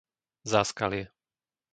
Záskalie